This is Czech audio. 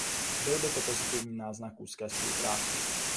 Byl by to pozitivní náznak úzké spolupráce.